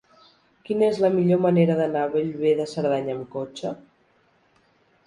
Quina és la millor manera d'anar a Bellver de Cerdanya amb cotxe?